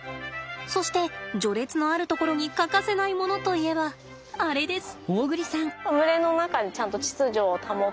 そして序列のあるところに欠かせないものといえばあれです。